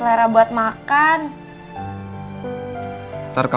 dari potatoes orada